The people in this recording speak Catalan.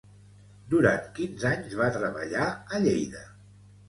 Durant quins anys va treballar a Lleida?